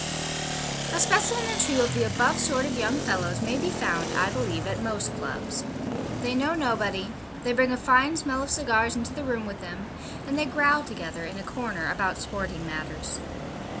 A specimen or two of the above sort of young fellows may be found, I believe, at most Clubs. They know nobody. They bring a fine smell of cigars into the room with them, and they growl together, in a corner, about sporting matters.